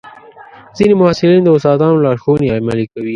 ځینې محصلین د استادانو لارښوونې عملي کوي.